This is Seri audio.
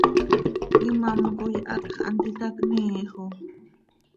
¿Imám coi hacx hant itacniiix oo?